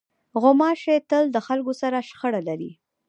غوماشې تل له خلکو سره شخړه لري.